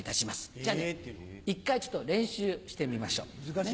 じゃあね１回ちょっと練習してみましょう。